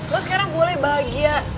lo sekarang boleh bahagia